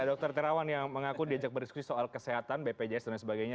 ada dr terawan yang mengaku diajak berdiskusi soal kesehatan bpjs dan sebagainya